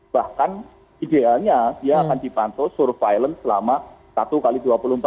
bahkan idealnya dia akan dipantau surveillance selama satu x dua puluh empat jam